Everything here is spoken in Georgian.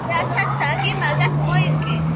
რასაც დარგი მას მოიმკი